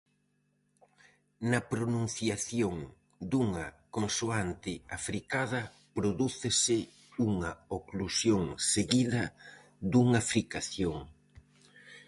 Na pronunciación dunha consoante africada prodúcese unha oclusión seguida dunha fricación.